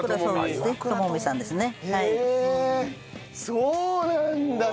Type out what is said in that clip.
そうなんだ。